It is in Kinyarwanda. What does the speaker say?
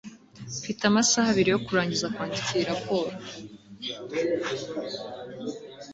mfite amasaha abiri yo kurangiza kwandika iyi raporo